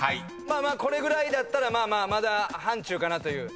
まあまあこれぐらいだったらまだ範疇かなという。